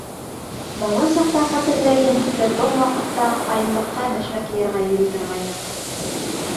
— Бала саҡта, хәтерләйем, беҙ был ваҡытта ҡайынлыҡҡа бәшмәк йыйырға йөрөй торғайныҡ...